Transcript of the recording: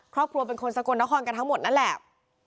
ครอบครัวเป็นคนสกลนครกันทั้งหมดนั่นแหละ